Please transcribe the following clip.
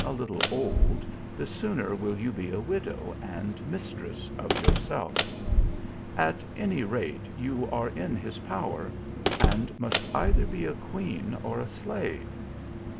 133 a little old, the sooner will you be a widow ana mistress of yourself. At any rate you are in his power and must either be a queen or a slave.